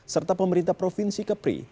serta pemerintah provinsi kepri